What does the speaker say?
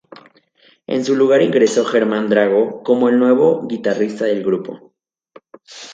En su lugar ingresó Germán Drago como el nuevo guitarrista del grupo.